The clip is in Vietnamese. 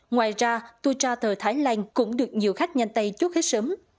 ngoài ra tour charter thái lan cũng được nhiều khách nhanh tay chốt hết sớm